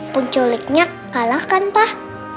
penculiknya kalah kan pak